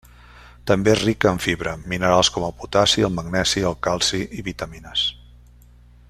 També és rica en fibra, minerals com el potassi, el magnesi, el calci i vitamines.